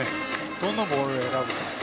どのボールを選ぶか。